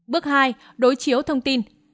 bước hai đối chiếu thông tin